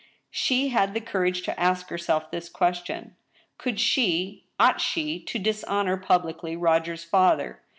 She had the courage to ask herself this question. Could she, ought she to dishonor puWicly Roger's father?